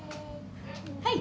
はい。